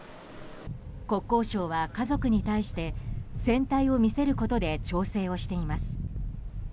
国交省は、家族に対して船体を見せることで調整をしています。